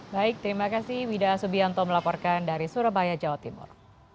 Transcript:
baik terima kasih wida subianto melaporkan dari surabaya jawa timur